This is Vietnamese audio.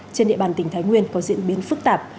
trên địa bàn tỉnh thái nguyên có diễn biến phức tạp